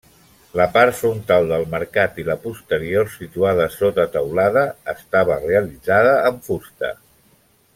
La part frontal del mercat i la posterior, situada sota teulada, estava realitzada amb fusta.